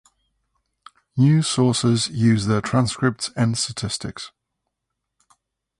News sources use their transcripts and statistics.